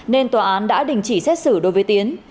nên tòa án đã đình chỉ xét xử đối với tiến